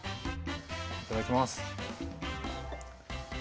いただきます。